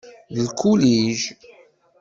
D lkulij.